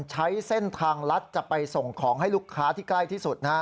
ใช้เส้นทางลัดจะไปส่งของให้ลูกค้าที่ใกล้ที่สุด